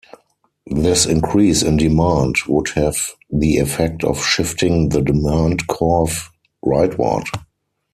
This increase in demand would have the effect of shifting the demand curve rightward.